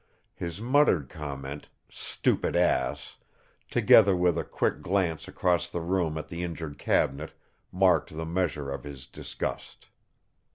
His muttered comment: "stupid ass!" together with a quick glance across the room at the injured cabinet, marked the measure of his disgust.